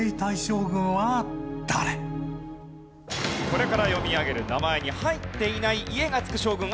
これから読み上げる名前に入っていない「家」がつく将軍